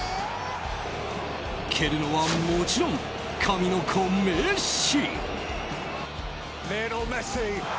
蹴るのはもちろん、神の子メッシ。